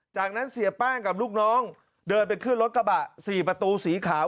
จากนั้นเสียแป้งกับลูกน้องเดินไปขึ้นรถกระบะ๔ประตูสีขาว